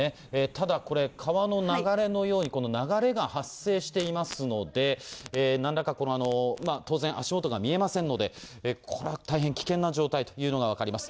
ただ、これ、川の流れのように、流れが発生していますので、なんらか、当然、足元が見えませんので、これは大変危険な状態というのが分かります。